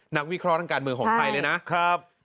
นักวิเคราะห์ทางการเมืองของไทยเลยนะ